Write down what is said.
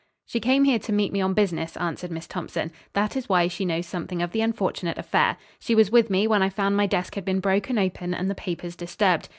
"She came here to meet me on business," answered Miss Thompson. "That is why she knows something of the unfortunate affair. She was with me when I found my desk had been broken open and the papers disturbed.